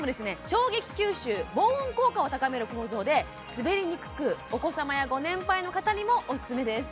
衝撃吸収防音効果を高める構造で滑りにくくお子様やご年配の方にもおすすめです